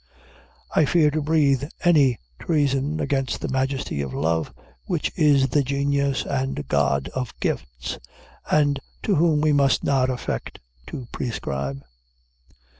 I fear to breathe any treason against the majesty of love, which is the genius and god of gifts, and to whom we must not affect to prescribe.